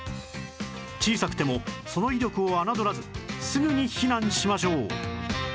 小さくてもその威力を侮らずすぐに避難しましょう